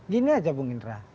gini aja bung indra